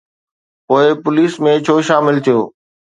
پوءِ پوليس ۾ ڇو شامل ٿيو؟